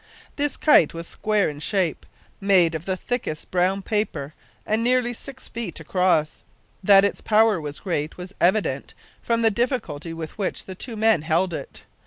This kite was square in shape, made of the thickest brown paper, and nearly six feet across. That its power was great was evident from the difficulty with which the two men held it.